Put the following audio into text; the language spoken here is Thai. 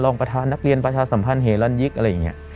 ประธานนักเรียนประชาสัมพันธ์เฮลันยิกอะไรอย่างนี้